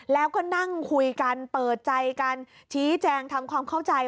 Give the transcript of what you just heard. แล้วก็นั่งคุยกันเปิดใจกันชี้แจงทำความเข้าใจ